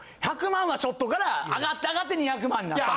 １００万はちょっとから上がって上がって２００万になって。